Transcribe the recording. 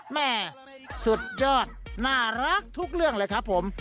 แม่สุดยอดน่ารักทุกเรื่องเลยครับผม